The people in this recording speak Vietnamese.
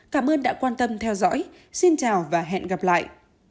cảm ơn đã quan tâm theo dõi xin chào và hẹn gặp lại